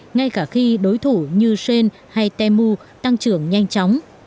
ngay cả khi đối thủ như jaren hay temu tăng trưởng nhanh chóng